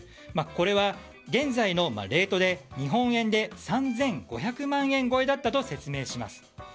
これは現在のレートで日本円で３５００万円超えだったと説明します。